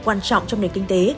quan trọng trong nền kinh tế